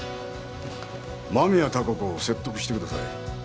間宮貴子を説得してください。